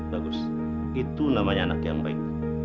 bagus itu namanya anak yang baik